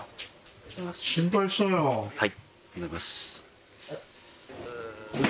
はい。